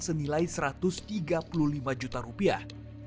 senilai satu ratus tiga puluh lima juta rupiah